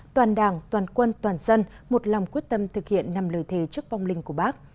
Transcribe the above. toàn đảng toàn quân toàn dân một lòng quyết tâm thực hiện năm lời thề trước vong linh của bác